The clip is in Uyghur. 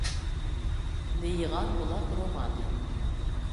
«لېيىغان بۇلاق» رومانى.